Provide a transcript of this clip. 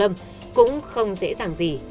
vũ hoàng lâm cũng không dễ dàng gì